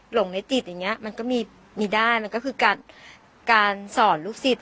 หลงไม่ติดอย่างเงี้มันก็มีมีได้มันก็คือการการสอนลูกศิษย